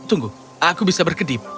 tunggu aku bisa berkedip